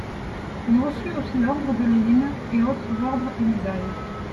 Il reçut aussi l'Ordre de Lénine et autres ordres et médailles.